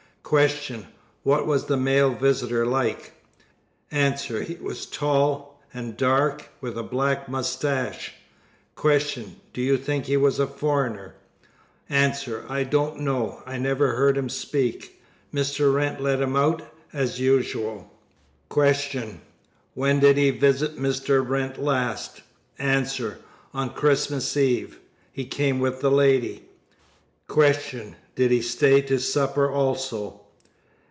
Q. What was the male visitor like? A. He was tall and dark, with a black moustache. Q. Do you think he was a foreigner? A. I don't know. I never heard him speak. Mr. Wrent let him out, as usual. Q. When did he visit Mr. Wrent last? A. On Christmas Eve. He came with the lady. Q. Did he stay to supper also?